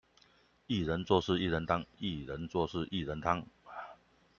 一人做事一人當，薏仁做事薏仁湯